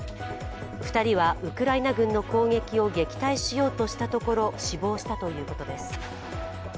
２人はウクライナ軍の攻撃を撃退しようとしたところ死亡したということです。